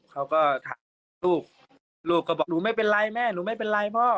เขาก็ถามลูกลูกก็บอกหนูไม่เป็นไรแม่หนูไม่เป็นไรพ่อ